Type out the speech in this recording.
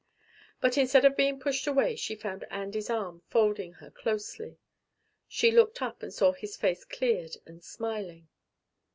But instead of being pushed away she found Andy's arm folding her closely. She looked up and saw his face cleared and smiling.